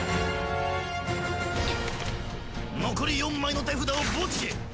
残り４枚の手札を墓地へ！